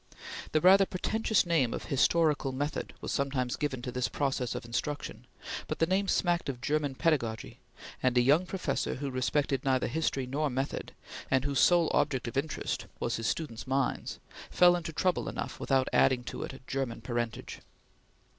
The rather pretentious name of historical method was sometimes given to this process of instruction, but the name smacked of German pedagogy, and a young professor who respected neither history nor method, and whose sole object of interest was his students' minds, fell into trouble enough without adding to it a German parentage.